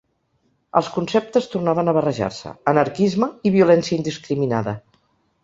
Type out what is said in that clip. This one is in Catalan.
Els conceptes tornaven a barrejar-se: anarquisme i violència indiscriminada.